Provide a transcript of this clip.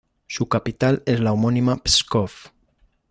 Su capital es la homónima Pskov.